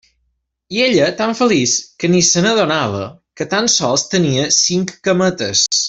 I ella, tan feliç, que ni se n'adonava, que tan sols tenia cinc cametes.